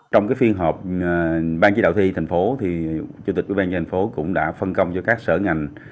trong phiên họp ban chế đạo thi thành phố chủ tịch ubnd tp hcm cũng đã phân công cho các sở ngành